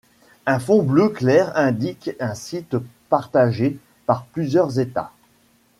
Un fond bleu clair indique un site partagé par plusieurs États.